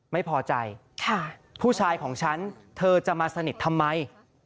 ไม่พอใจผู้ชายของฉันเธอจะมาสนิททำไม